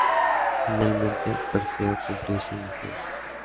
Finalmente Perseo cumplió su misión.